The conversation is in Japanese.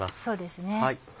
そうですね。